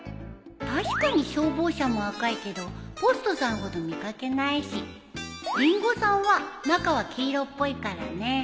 確かに消防車も赤いけどポストさんほど見掛けないしリンゴさんは中は黄色っぽいからね